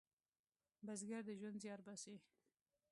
بزګر د ژوند زیار باسي